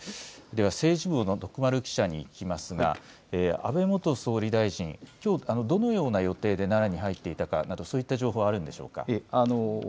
では政治部の徳丸記者に聞きますが安倍元総理大臣、きょう、どのような予定で奈良に入っていたか、そういった情報はあるんでしょうか。